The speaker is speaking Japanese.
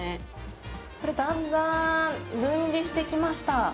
だんだん分離してきました。